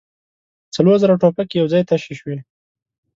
څلور زره ټوپکې يو ځای تشې شوې.